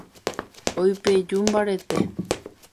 Oipeju mbarete.